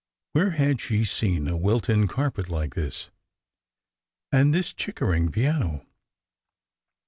Where had she seen a Wil ton carpet like this? and this Chickering piano?